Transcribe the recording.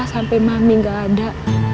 sampai mami gak ada